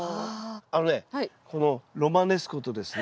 あのねこのロマネスコとですね